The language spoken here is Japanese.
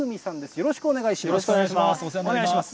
よろしくお願いします。